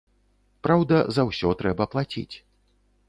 Праўда, за ўсё трэба плаціць.